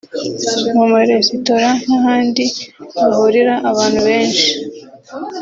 mu maresitora n’ahandi hahurira abantu benshi